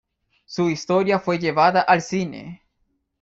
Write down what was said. Su historia fue llevada al cine.